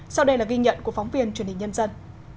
sau đây là ghi nhận của phóng viên truyền hình nhân dân